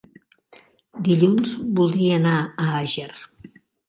Dilluns voldria anar a Àger.